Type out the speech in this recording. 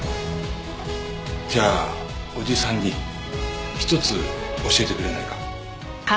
じゃあおじさんに一つ教えてくれないか？